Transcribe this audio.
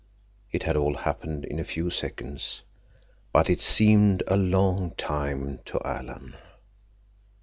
It had all happened in a few seconds, but it seemed a long time to Alan.